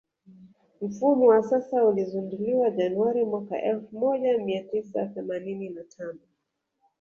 Mfumo wa sasa ulizinduliwa Januari mwaka elfu moja mia tisa themanini na tano